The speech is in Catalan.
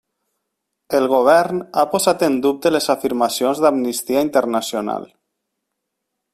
El govern ha posat en dubte les afirmacions d'Amnistia Internacional.